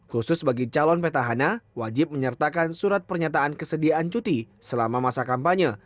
khusus bagi calon petahana wajib menyertakan surat pernyataan kesediaan cuti selama masa kampanye